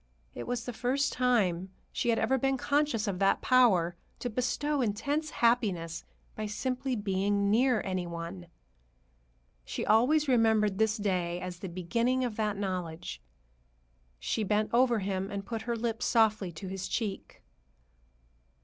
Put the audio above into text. It was the first time she had ever been conscious of that power to bestow intense happiness by simply being near any one. She always remembered this day as the beginning of that knowledge. She bent over him and put her lips softly to his cheek.